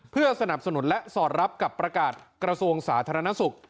เพื่อสนับสนุนและสอดรับกับประกาศกระทรวงสาธารณสุข